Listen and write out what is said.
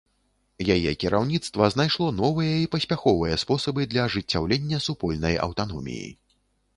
Яе кіраўніцтва знайшло новыя і паспяховыя спосабы для ажыццяўлення супольнай аўтаноміі.